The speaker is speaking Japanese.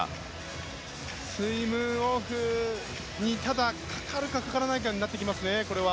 スイムオフに、ただかかるかかからないかになってきますね。